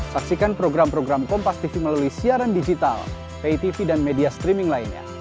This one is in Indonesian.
saksikan program program kompas tv melalui siaran digital pay tv dan media streaming lainnya